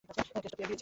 কেসটা পেয়ে গেছি।